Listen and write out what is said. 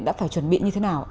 đã phải chuẩn bị như thế nào